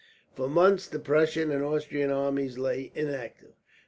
For months the Prussian and Austrian armies lay inactive.